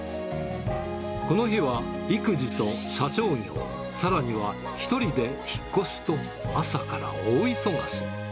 この日は育児と社長業、さらには１人で引っ越しと、朝から大忙し。